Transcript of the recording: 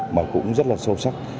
mà cũng rất là sâu sắc